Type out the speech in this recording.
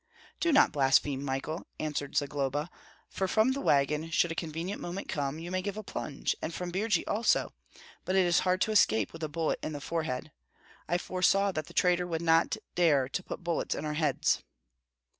"Do not blaspheme, Michael," answered Zagloba, "for from the wagon, should a convenient moment come, you may give a plunge, and from Birji also; but it is hard to escape with a bullet in the forehead. I foresaw that that traitor would not dare to put bullets in our heads."